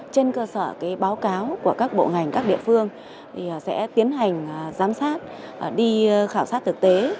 trên cơ sở báo cáo của các bộ ngành các địa phương sẽ tiến hành giám sát đi khảo sát thực tế